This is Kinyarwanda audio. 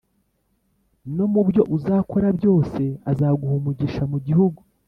no mu byo uzakora byose;+ azaguha umugisha mu gihugu